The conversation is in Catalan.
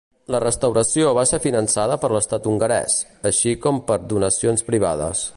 La restauració va ser finançada per l'estat hongarès, així com per donacions privades.